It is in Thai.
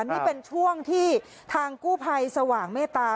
นี่เป็นช่วงที่ทางกู้ภัยสว่างเมตตา